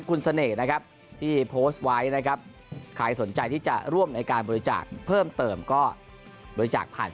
คุณเสน่ห์นะครับที่โพสต์ไว้นะครับใครสนใจที่จะร่วมในการบริจาคเพิ่มเติมก็บริจาคผ่าน